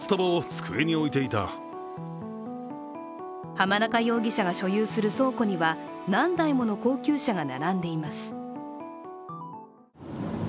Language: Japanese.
濱中容疑者が所有する倉庫には何台もの高級車が並んでいます。